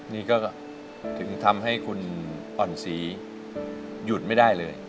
นี่ก็ถึงทำให้คุณอ่อนศรีหยุดไม่ได้เลย